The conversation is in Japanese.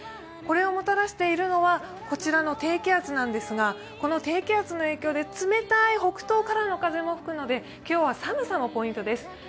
これをもたらしているのがこちらの低気圧なんですがこの低気圧の影響で冷たい北東からの風も吹くので今日は寒さのポイントです。